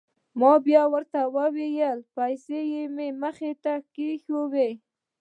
ما بيا ورته پيسې مخې ته کښېښووې.